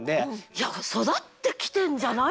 いや育ってきてんじゃない？